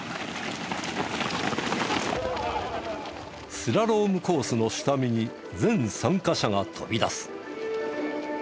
スラロームコースの下見に全参加者が飛び出す。